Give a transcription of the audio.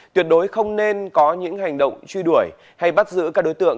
tuyệt đối không nên có những hành động truy đuổi hay bắt giữ các đối tượng